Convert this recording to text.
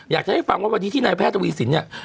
อยากจะให้ฟังว่าวันนี้ที่นายแพทย์ทวีสินเนี่ย